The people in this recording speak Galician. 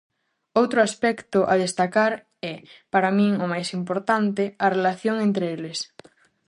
Outro aspecto a destacar é, para min o máis importante, a relación entre eles.